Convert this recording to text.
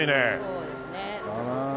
そうですね。